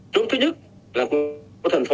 chốt thứ nhất là của thành phố